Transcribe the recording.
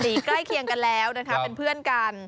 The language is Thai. ใกล้เคียงกันแล้วนะคะเป็นเพื่อนกัน